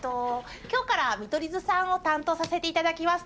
今日から見取り図さんを担当させていただきます